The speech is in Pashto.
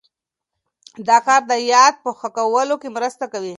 دا کار د یاد په ښه کولو کې مرسته کوي.